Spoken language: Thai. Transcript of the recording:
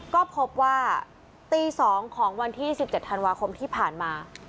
ก็พบว่าตี๒ของวันที่๑๗ธันวาคมที่ผ่านมา